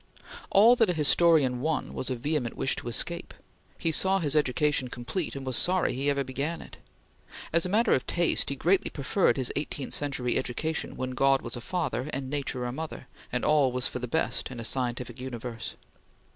All that a historian won was a vehement wish to escape. He saw his education complete; and was sorry he ever began it. As a matter of taste, he greatly preferred his eighteenth century education when God was a father and nature a mother, and all was for the best in a scientific universe.